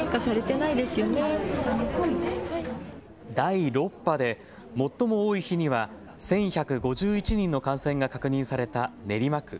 第６波で最も多い日には１１５１人の感染が確認された練馬区。